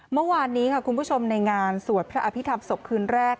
เมื่อวานนี้ค่ะคุณผู้ชมในงานสวดพระอภิษฐรรมศพคืนแรก